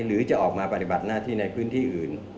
หรือจะออกมาปฏิบัติหน้าที่ในพื้นที่อื่น